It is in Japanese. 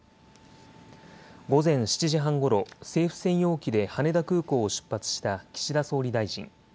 午前７時半ごろ、政府専用機で羽田空港を出発した岸田総理大臣。